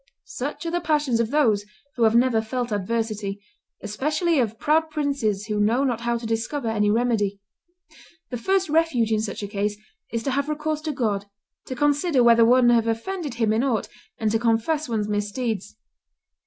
Such are the passions of those who have never felt adversity, especially of proud princes who know not how to discover any remedy. The first refuge, in such a case, is to have recourse to God, to consider whether one have offended Him in aught, and to confess one's misdeeds.